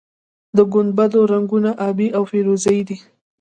د ګنبدونو رنګونه ابي او فیروزه یي دي.